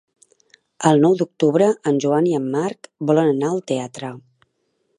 El nou d'octubre en Joan i en Marc volen anar al teatre.